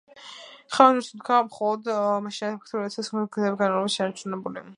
ხელოვნური სუნთქვა მხოლოდ მაშინაა ეფექტური, როცა სასუნთქი გზების განვლადობა შენარჩუნებული.